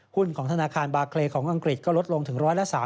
หุ้นของธนาคารบาร์เครย์ของอังกฤษก็ลดลงถึง๑๓๐